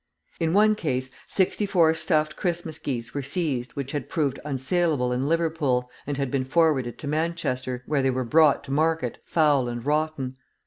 In one case, sixty four stuffed Christmas geese were seized which had proved unsaleable in Liverpool, and had been forwarded to Manchester, where they were brought to market foul and rotten.